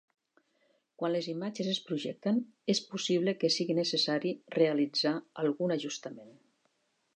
Quan les imatges es projecten és possible que sigui necessari realitzar algun ajustament.